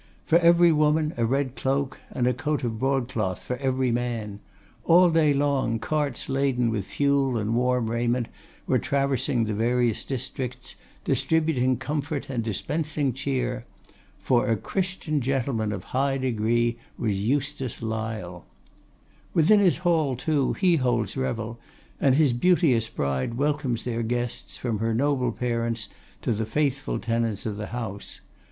For every woman a red cloak, and a coat of broadcloth for every man. All day long, carts laden with fuel and warm raiment were traversing the various districts, distributing comfort and dispensing cheer. For a Christian gentleman of high degree was Eustace Lyle. Within his hall, too, he holds his revel, and his beauteous bride welcomes their guests, from her noble parents to the faithful tenants of the house.